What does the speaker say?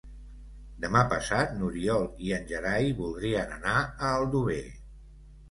Demà passat n'Oriol i en Gerai voldrien anar a Aldover.